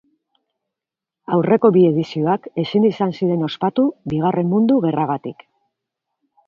Aurreko bi edizioak, ezin izan ziren ospatu, Bigarren Mundu Gerragatik.